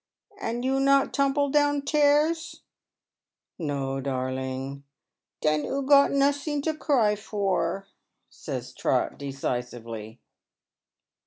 " And you not tumbled down 'tans." *' No, darling." *' Den 00 got nosing to cry for," says Trot, decisively.